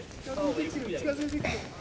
近づいてきてる。